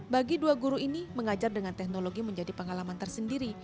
bagi dua guru ini mengajar dengan teknologi menjadi pengalaman tersendiri